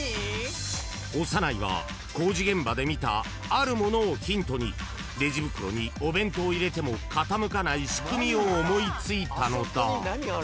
［長内は工事現場で見たあるものをヒントにレジ袋にお弁当を入れても傾かない仕組みを思い付いたのだ］